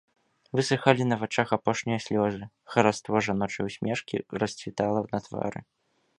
Высыхалі на вачах апошнія слёзы, хараство жаночай усмешкі расцвітала на твары.